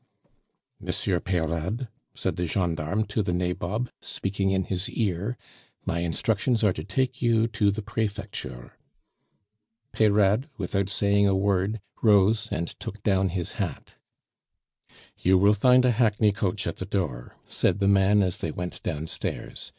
"Monsieur Peyrade," said the gendarme to the nabob, speaking in his ear, "my instructions are to take you to the Prefecture." Peyrade, without saying a word, rose and took down his hat. "You will find a hackney coach at the door," said the man as they went downstairs.